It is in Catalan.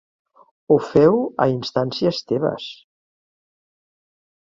Ho feu a instàncies teves.